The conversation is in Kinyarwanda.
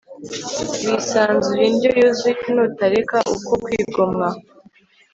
wisanzuye indyo yuzuye Nutareka uko kwigomwa